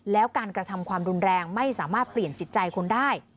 แล้วการกระทำความรุนแรงไม่สามารถเปลี่ยนจิตใจคนได้